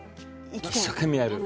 一生懸命やる。